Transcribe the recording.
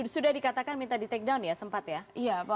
sudah dikatakan minta di take down ya sempat ya